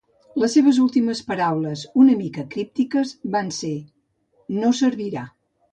Les seves últimes paraules, una mica críptiques, can ser: "No servirà".